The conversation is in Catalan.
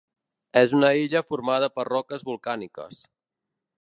És una illa formada per roques volcàniques.